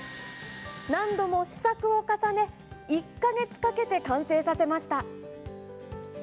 何度も試作を重ね、１か月かけて完成させました。